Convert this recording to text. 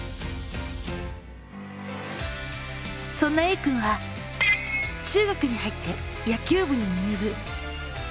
そんなＡくんは中学に入って野球部に入部。